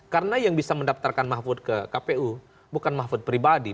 karena yang bisa mendaftarkan mahfud ke kpu bukan mahfud pribadi